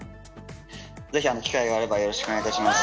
ぜひ、機会があればよろしくお願いします。